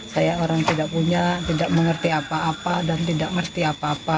saya orang tidak punya tidak mengerti apa apa dan tidak mengerti apa apa